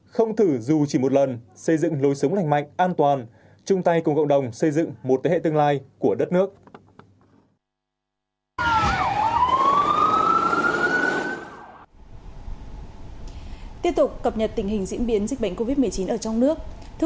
không thử dù chỉ một lần xây dựng lối sống lành mạnh an toàn chung tay cùng cộng đồng xây dựng một thế hệ tương lai của đất nước